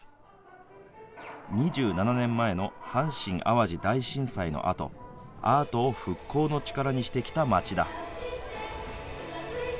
２７年前の阪神・淡路大震災のあと、アートを復興の力にしてきた町だ。